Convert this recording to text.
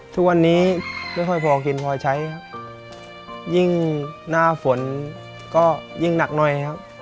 ทุกวันนี้ไม่ค่อยพอกินพอใช้ครับยิ่งหน้าฝนก็ยิ่งหนักหน่อยครับ